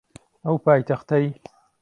ئەو پایتەختەی